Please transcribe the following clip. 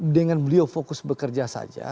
dengan beliau fokus bekerja saja